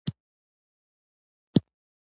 زده کوونکي دې د ماین د پېښو په اړه څو کرښې ولیکي.